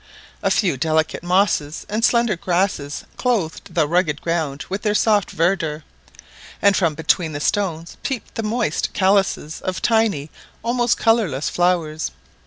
A few delicate mosses and slender grasses clothed the rugged ground with their soft verdure; and from between the stones peeped the moist calices of tiny, almost colourless, flowers.